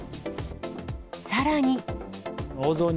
さらに。